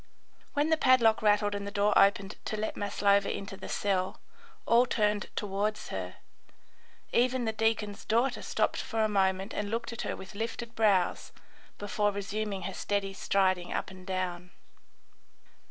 When the padlock rattled and the door opened to let Maslova into the cell, all turned towards her. Even the deacon's daughter stopped for a moment and looked at her with lifted brows before resuming her steady striding up and down.